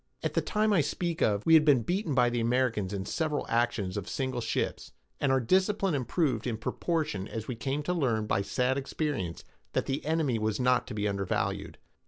At the time I speak of, we had been beaten by the Americans in several actions of single ships, and our discipline improved in proportion as we came to learn by sad experience that the enemy was not to be undervalued.